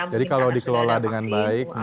jadi kalau dikelola dengan baik